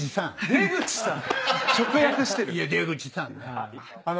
⁉出口さん。